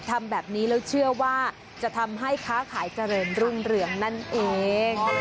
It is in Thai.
ทำแบบนี้แล้วเชื่อว่าจะทำให้ค้าขายเจริญรุ่งเรืองนั่นเอง